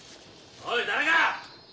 おい誰か！